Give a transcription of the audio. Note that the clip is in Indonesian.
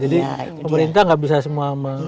jadi pemerintah gak bisa semua melakukan apa apa